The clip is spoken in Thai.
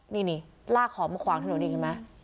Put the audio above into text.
นี่ลากของมาขวางทะโหนดิเห็นไหม